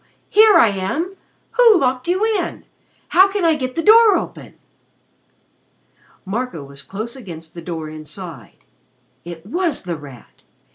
Here I am! Who locked you in? How can I get the door open?" Marco was close against the door inside. It was The Rat!